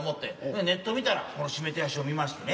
でネット見たらこの指名手配書を見ましてね。